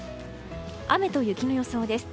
雨と雪の予想です。